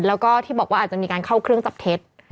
แล้วก็ที่บอกว่าอาจจะมีการเข้าเครื่องจับเท็จ